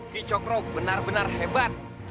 kicokro benar benar hebat